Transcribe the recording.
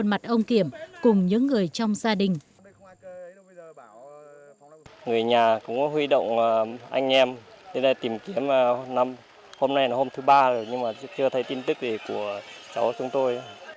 người nhà cũng có huy động anh em đến đây tìm kiếm hôm nay là hôm thứ ba rồi nhưng mà chưa thấy tin tức gì của cháu chúng tôi